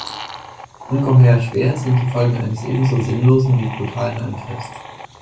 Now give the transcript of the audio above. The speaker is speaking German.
Ungeheuer schwer sind die Folgen eines ebenso sinnlosen wie brutalen Angriffs.